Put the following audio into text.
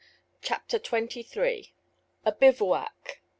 CHAPTER TWENTY THREE. A BIVOUAC.